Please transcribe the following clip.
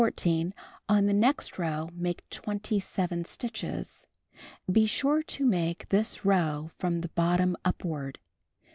On the next row make 27 stitches. (Be sure to make this row from the bottom upward.)